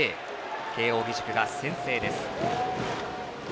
慶応義塾が先制です。